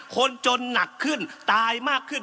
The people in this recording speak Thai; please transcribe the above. คนจนหนักขึ้นตายมากขึ้น